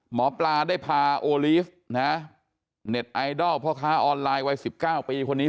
หมอปลาได้พาโอลีฟนะเน็ตไอดอลพ่อค้าออนไลน์วัย๑๙ปีคนนี้